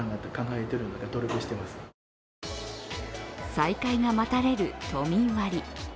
再開が待たれる都民割。